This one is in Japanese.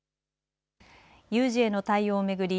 有事への対応を巡り